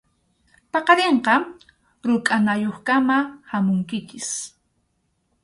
Paqarinqa rukʼanayuqkama hamunkichik.